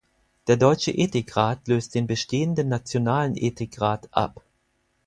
Der Deutsche Ethikrat löst den bestehenden Nationalen Ethikrat ab.